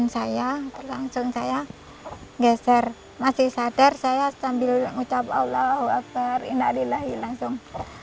saya langsung saya geser masih sadar saya sambil mengucap allah wa bar inna lillahi langsung